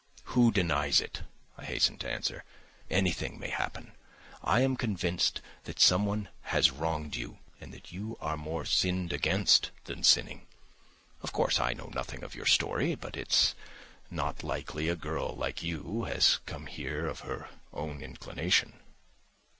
"Who denies it!" I hastened to answer. "Anything may happen. I am convinced that someone has wronged you, and that you are more sinned against than sinning. Of course, I know nothing of your story, but it's not likely a girl like you has come here of her own inclination...."